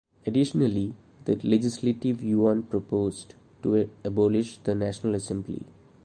Additionally, the Legislative Yuan proposed to abolish the National Assembly.